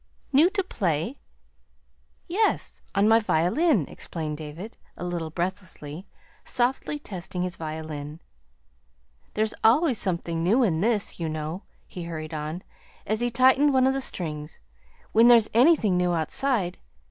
"New to play?" "Yes on my violin," explained David, a little breathlessly, softly testing his violin. "There's always something new in this, you know," he hurried on, as he tightened one of the strings, "when there's anything new outside.